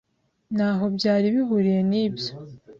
Ntaho byari bihuriye nibyo.